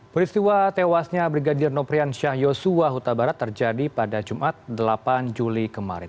peristiwa tewasnya brigadir noprian syahyosu wahuta barat terjadi pada jumat delapan juli kemarin